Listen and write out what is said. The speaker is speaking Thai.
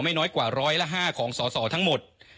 ไม่น้อยกว่าร้อยละห้าของสอสอทั้งหมด